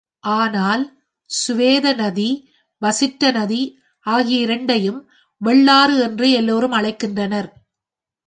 ஆனால் சுவேத நதி, வசிட்ட நதி ஆகிய இரண்டையும் வெள்ளாறு என்றே எல்லோரும் அழைக்கின்றனர்.